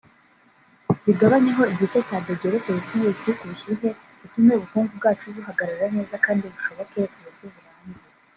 bigabanyeho igice cya dogere celcius ku bushyuhe bitume ubukungu bwacu buhagarara neza kandi bushoboke mu buryo burambye